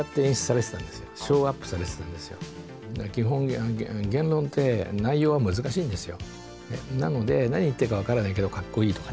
基本言論って内容は難しいんですよ。